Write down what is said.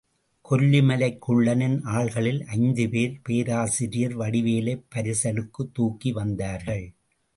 கொல்லிமலைக் குள்ளனின் ஆள்களில் ஐந்து பேர், பேராசிரியர் வடிவேலைப் பரிசலுக்குத் தூக்கி வந்தார்கள்.